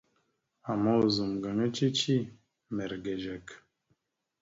Ama ozum gaŋa cici mirəgezekw.